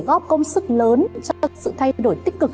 góp công sức lớn cho sự thay đổi tích cực